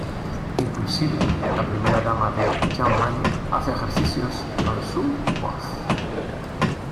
Inclusive la primera dama de Young Money hace ejercicios con su voz.